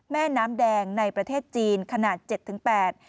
แม่น้ำแดงในประเทศจีนขนาด๗๘